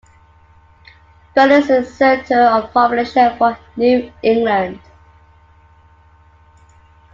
Berlin is the center of population for New England.